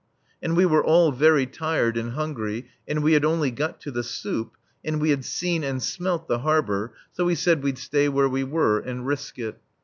And we were all very tired and hungry, and we had only got to the soup, and we had seen (and smelt) the harbour, so we said we'd stay where we were and risk it.